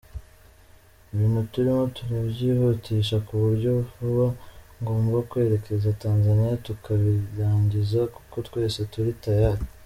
Ibintu turimo turabyihutisha ku buryo vuba ngomba kwerekeza Tanzaniya tukabirangiza, kuko twese turi tayari.